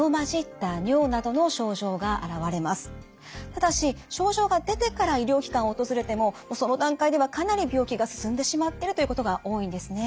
ただし症状が出てから医療機関を訪れてもその段階ではかなり病気が進んでしまっているということが多いんですね。